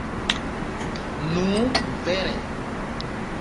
Nu, vere.